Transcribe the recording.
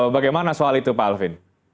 bagaimana soal itu pak alvin